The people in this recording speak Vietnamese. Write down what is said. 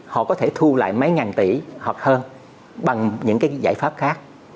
họ có thể thu lại mấy ngàn tỷ hoặc hơn bằng những cái giải pháp khác